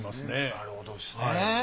なるほどですね。